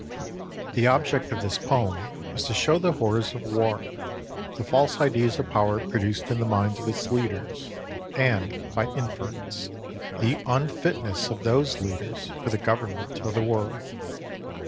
The object of this poem is to show the horrors of war, the false ideas of power produced in the minds of its leaders, and, by inference, the unfitness of those leaders for the government of the world.